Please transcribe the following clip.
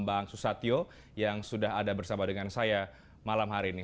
bang susatyo yang sudah ada bersama dengan saya malam hari ini